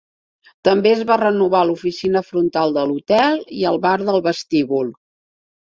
També es van renovar l'oficina frontal de l'hotel i el bar del vestíbul.